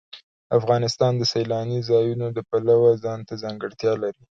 افغانستان د سیلانی ځایونه د پلوه ځانته ځانګړتیا لري.